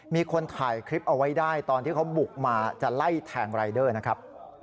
มีคนถ่ายคลิปเอาไว้ได้ตอนที่เขาบุกมาจะไล่แทงรายเดอร์นะครับ